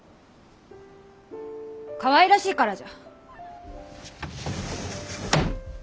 かわいらしいからじゃ。